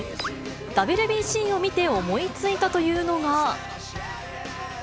ＷＢＣを見て思いついたというのが。